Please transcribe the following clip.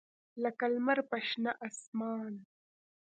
لکه لمر په شنه اسمان